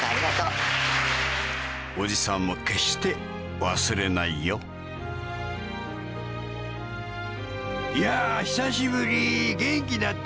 おじさんも決して忘れないよいや久しぶり元気だった？